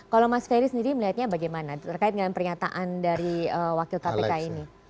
kalau mas ferry sendiri melihatnya bagaimana terkait dengan pernyataan dari wakil kpk ini